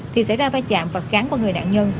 thì xảy ra va chạm và kháng qua người nạn nhân